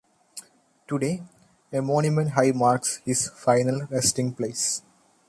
Today, a monument high marks his final resting place.